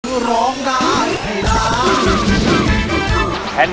คือร้องได้ให้ล้าน